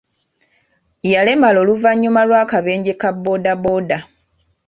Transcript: Yalemala oluvannyuma lw'akabenje ka boodabooda.